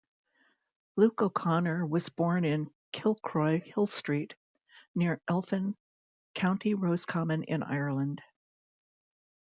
Luke O'Connor was born in Kilcroy, Hillstreet, near Elphin, County Roscommon in Ireland.